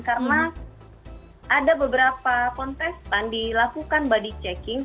karena ada beberapa kontestan dilakukan body checking